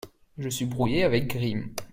Je suis brouillé avec Grimm.